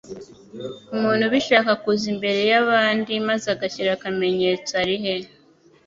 umuntu ubishaka kuza imbere y abandi maze agashyira akamenyetso arihe?